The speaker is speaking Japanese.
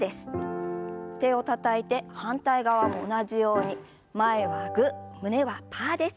手をたたいて反対側も同じように前はグー胸はパーです。